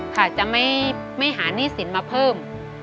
ค่ะจะไม่หาหนี้สินมาเพิ่ม